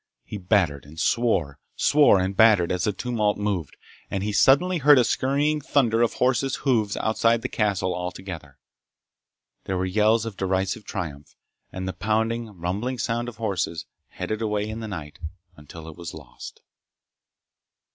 He battered and swore, swore and battered as the tumult moved, and he suddenly heard a scurrying thunder of horses' hoofs outside the castle altogether. There were yells of derisive triumph and the pounding, rumbling sound of horses headed away in the night until it was lost.